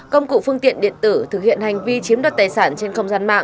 công cụ phương tiện điện tử thực hiện hành vi chiếm đoạt tài sản trên không gian mạng